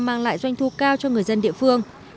mang lại doanh thu cao cho người dân địa phương